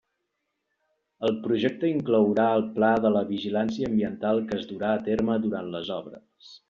El Projecte inclourà el Pla de la vigilància ambiental que es durà a terme durant les obres.